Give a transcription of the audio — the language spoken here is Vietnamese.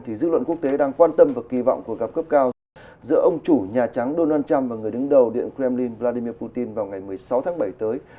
dư luận quốc tế đang quan tâm và kỳ vọng cuộc gặp cấp cao giữa ông chủ nhà trắng donald trump và người đứng đầu điện kremlin vladimir putin vào ngày một mươi sáu tháng bảy tới